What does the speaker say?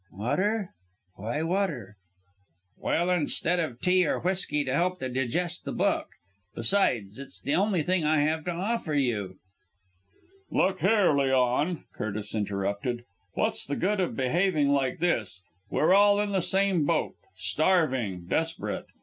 "Water! Why water?" "Well, instead of tea or whisky to help digest the book. Besides, it's the only thing I have to offer you." "Look here, Leon," Curtis interrupted; "what's the good of behaving like this? We are all in the same boat starving desperate.